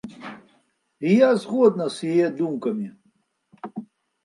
І я згодна з яе думкамі.